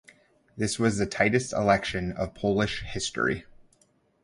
This was the tightest election of Polish history.